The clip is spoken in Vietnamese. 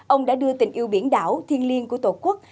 ông đã đưa tình yêu biển đảo thiên liêng của tổ quốc